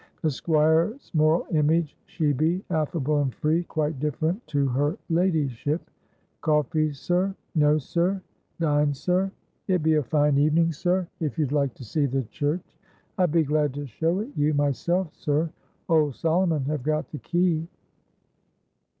The Squire's moral image she be; affable and free, quite different to her ladyship. Coffee, sir? No, sir? Dined, sir? It be a fine evening, sir, if you'd like to see the church. I'd be glad to show it you, myself, sir. Old Solomon have got the key."